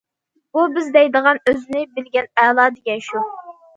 بۇ بىز دەيدىغان« ئۆزىنى بىلگەن ئەلا» دېگەن شۇ.